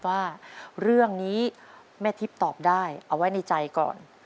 ว่าเรื่องนี้แม่ทิพย์ตอบได้เอาไว้ในใจก่อน